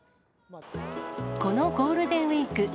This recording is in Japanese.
このゴールデンウィーク。